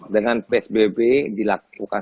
dengan psbb dilakukan